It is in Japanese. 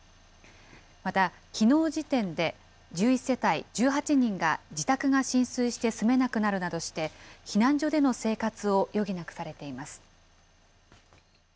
また、きのう時点で１１世帯１８人が自宅が浸水して住めなくなるなどして、避難所での生活を余儀なくされています。